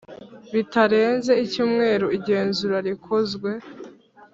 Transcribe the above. Bitarenze icyumweru igenzura rikozwe